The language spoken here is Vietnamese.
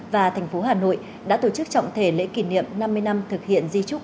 và thành phố hà nội đã tổ chức trọng thể lễ kỷ niệm năm mươi năm thực hiện di trúc